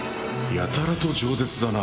やたらと冗舌だな